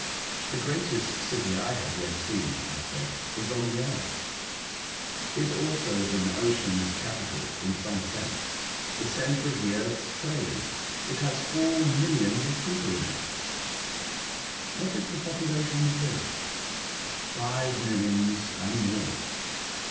'' The greatest city I have yet seen," I said, ^* is on the earth. It also is an ocean capital in some sense ; the centre of the earth's trade. It has four millions of people in it. What is the population of this ?"'' Five millions and more."